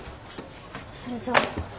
それじゃ。